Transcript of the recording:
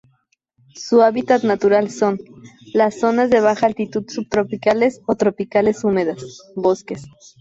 Su hábitat natural son: las zonas de baja altitud subtropicales o tropicales húmedas, bosques.